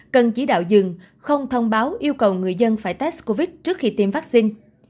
cần chỉ đạo dừng không thông báo yêu cầu người dân phải test covid một mươi chín trước khi tiêm vaccine